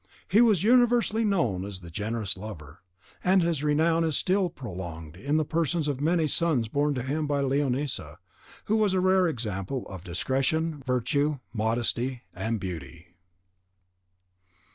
He was universally known as the Generous Lover, and his renown is still prolonged in the persons of the many sons borne to him by Leonisa, who was a rare example of discretion, virtue, modesty, and beauty.